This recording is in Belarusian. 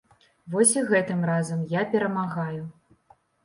Вось і гэтым разам я перамагаю.